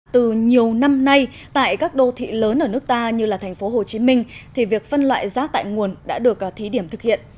từ nhiều năm nay tại các đô thị lớn ở nước ta như là thành phố hồ chí minh thì việc phân loại rác tại nguồn đã được thí điểm thực hiện